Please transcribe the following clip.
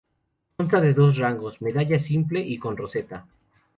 Consta de dos rangos: medalla simple y con roseta.